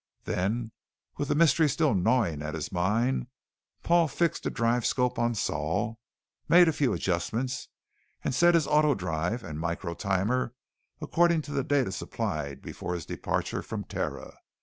Then, with the mystery still gnawing at his mind, Paul fixed the drive scope on Sol, made a few adjustments, and set his autodrive and micro timer according to the data supplied before his departure from Terra.